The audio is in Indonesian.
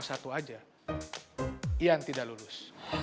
ian tidak lulus